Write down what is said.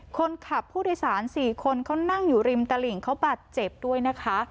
คนขับผู้โดยสาร๔คนเขานั่งอยู่ริมตลิ่งเขาบาดเจ็บด้วยนะคะ